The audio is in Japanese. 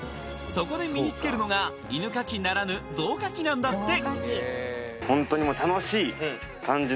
そこで身につけるのが犬かきならぬゾウかきなんだって！